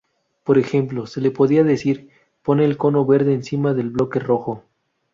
Por ejemplo, se le podía decir: "Pon el cono verde encima del bloque rojo.